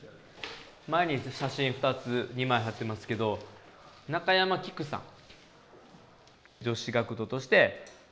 前に写真２つ２枚貼ってますけど中山きくさん。